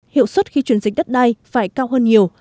hiệu suất khi chuyển dịch đất đai phải cao hơn nhiều